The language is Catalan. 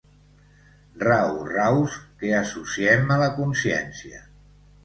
Rau-raus que associem a la consciència.